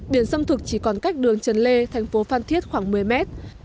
biển xâm thực chỉ còn cách đường trần lê thành phố phan thiết khoảng một mươi mét